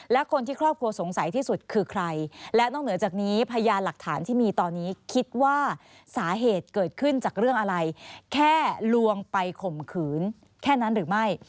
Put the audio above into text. และคนที่ครอบครัวสงสัยที่สุดคือใครและนอกเหนือจากนี้พยานหลักฐานที่มีตอนนี้คิดว่าสาเหตุเกิดขึ้นจากเรื่องอะไรแค่ลวงไปข่มขืนแค่นั้นหรือไม่